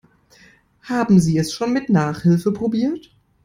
Haben Sie es schon mit Nachhilfe probiert?